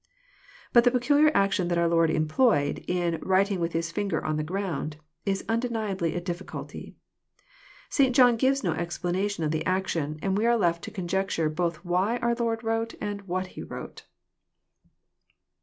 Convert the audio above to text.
"^"^ But the peculiar action that our Lord employed. In «* writing with his finger on the ground," is undeniably a difficulty. St. John gives no explanation of the action, and we are left to con jecture both vjhy our Lord wrote and what He wrote.